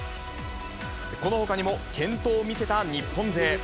このほかにも健闘を見せた日本勢。